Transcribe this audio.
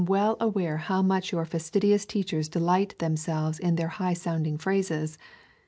how much your fastidious teachers delight themselves in their high sounding phrases.